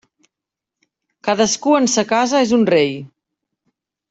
Cadascú en sa casa és un rei.